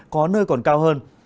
có nơi còn cao hơn